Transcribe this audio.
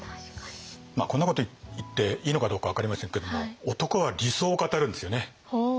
こんなこと言っていいのかどうか分かりませんけども男は理想を語るんですよね。